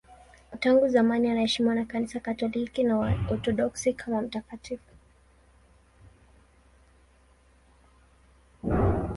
Tangu zamani anaheshimiwa na Kanisa Katoliki na Waorthodoksi kama mtakatifu.